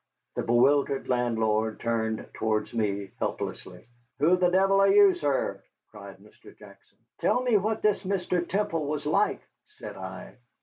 The bewildered landlord turned towards me helplessly. "Who the devil are you, sir?" cried Mr. Jackson. "Tell me what this Mr. Temple was like," said I.